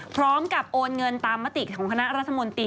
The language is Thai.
พร้อมกับโอนเงินตามมติของคณะรัฐมนตรี